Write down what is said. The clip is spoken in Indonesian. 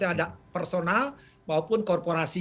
ada personal maupun korporasi